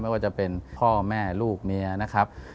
ว่าจะเป็นพ่อแม่ลูกเมียนะครับ